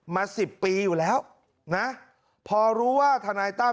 สิบปีอยู่แล้วนะพอรู้ว่าทนายตั้ม